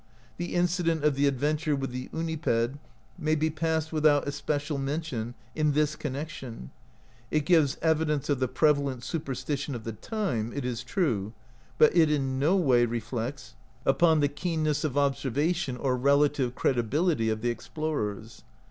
The incident of the adventure with the Uniped may be passed without especial mention in this connection; it gives evidence of the prevalent supersti tion of the time, it is true, but it in no way reflects upon the keenness of observation or relative credibility of the explorers.